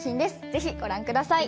ぜひご覧ください